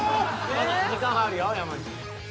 時間はあるよ山内。